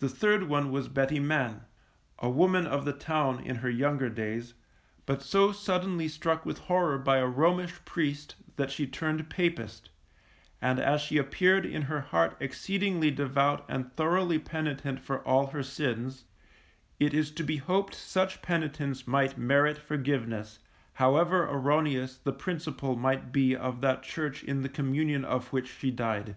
The third one was Betty Man, a woman of the town in her younger days, but so suddenly struck with horror by a Romish priest that she turned Papist; and as she appeared in her heart exceedingly devout and thoroughly penitent for all her sins, it is to be hoped such penitence might merit forgiveness, however erroneous the principle might be of that Church in the communion of which she died.